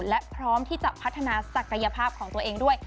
และพร้อมที่จะพัฒนาศักยภาพของตัวเองด้วย